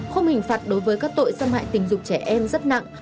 khung hình phạt đối với các tội xâm hại tình dục trẻ em rất nặng